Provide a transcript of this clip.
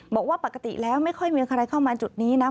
บอกว่าปกติแล้วไม่ค่อยมีใครเข้ามาจุดนี้นะ